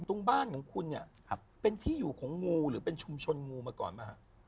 ตรงบ้านของคุณเนี่ยเป็นที่อยู่ของงูหรือเป็นชุมชนงูมาก่อนไหมฮะ